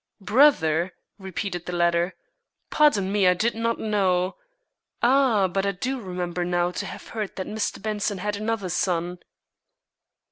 "Brother?" repeated the latter. "Pardon me, I did not know Ah, but I do remember now to have heard that Mr. Benson had another son."